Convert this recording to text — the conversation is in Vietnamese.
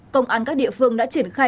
công an các địa phương đã triển khai